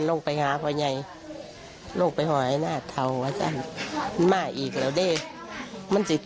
โมตุภาพทั้งนี้ไม่ได้